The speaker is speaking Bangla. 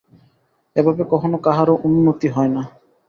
এভাবে কখনও কাহারও উন্নতি হয় না।